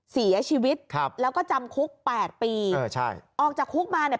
เสียชีวิตแล้วก็จำคุก๘ปีออกจากคุกมาเนี่ย